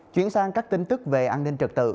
chuyển sang các tin tức về an ninh trật tự